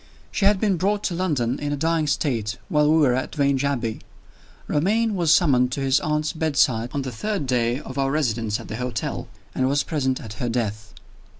She had been brought to London in a dying state while we were at Vange Abbey. Romayne was summoned to his aunt's bedside on the third day of our residence at the hotel, and was present at her death.